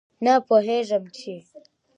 نه پوهېږم چې